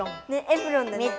エプロンだね。